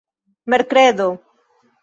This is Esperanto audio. merkredo